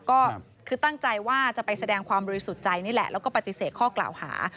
ก็คือตั้งใจว่าจะไปแสดงความบริสุทธิ์ใจนี่แหละแล้วก็ปฏิเสธข้อกล่าวหา